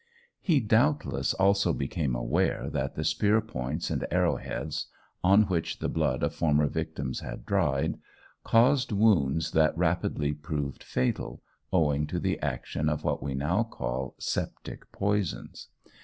He doubtless also became aware that the spear points and arrow heads on which the blood of former victims had dried, caused wounds that rapidly proved fatal, owing to the action of what we now call septic poisons.